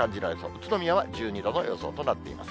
宇都宮は１２度の予想となっています。